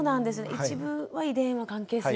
一部は遺伝は関係する？